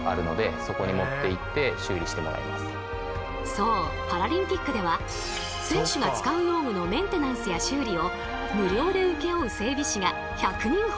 そうパラリンピックでは選手が使う用具のメンテナンスや修理を無料で請け負う整備士が１００人ほど稼働。